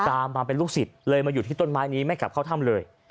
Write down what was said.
ตามมาเป็นลูกศิษย์เลยมาอยู่ที่ต้นไม้นี้ไม่กลับเข้าถ้ำเลย